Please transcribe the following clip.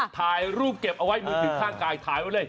ถ่ายรูปเก็บเอาไว้มือถือข้างกายถ่ายไว้เลย